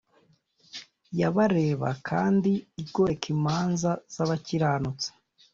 y abareba kandi igoreka imanza z abakiranutsi